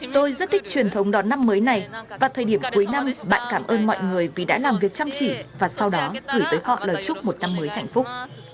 tôi rất thích truyền thống đón năm mới này và thời điểm cuối năm bạn cảm ơn mọi người vì đã làm việc chăm chỉ và sau đó gửi tới họ lời chúc một năm mới hạnh phúc